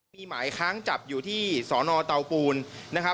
มีหมายค้างจับอยู่ที่สอนอเตาปูนนะครับ